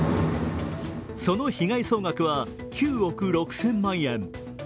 その被害総額は９億６０００万円。